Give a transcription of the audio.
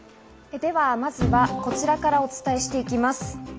では、こちらからお伝えしていきます。